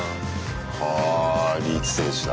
ああリーチ選手だ。